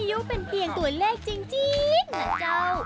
อายุเป็นเพียงตัวเลขจริงนะเจ้า